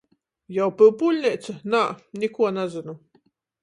Jau Pyupūļneica? Nā, nikuo nazynu!